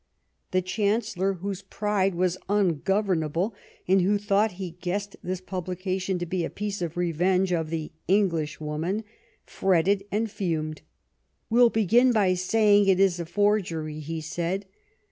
The Chancellor, whose pride was ungovernable and who thought he guessed this pubUcation to be a piece of revenge of the " Englishwoman," fretted and fumed. " We'll begin by saying it is a forgery," he said.